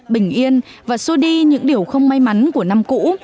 bình yên và xô đi những điều không may mắn của năm cũ